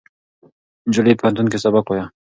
نجلۍ په پوهنتون کې سبق وایه.